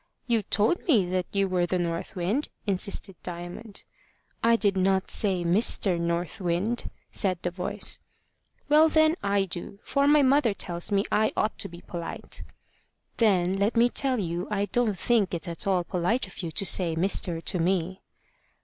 "You told me that you were the North Wind," insisted Diamond. "I did not say Mister North Wind," said the voice. "Well, then, I do; for mother tells me I ought to be polite." "Then let me tell you I don't think it at all polite of you to say Mister to me."